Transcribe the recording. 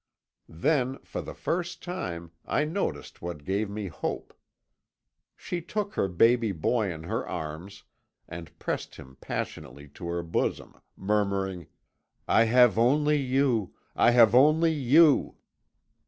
"Then, for the first time, I noticed what gave me hope. She took her baby boy in her arms, and pressed him passionately to her bosom, murmuring: "'I have only you I have only you!'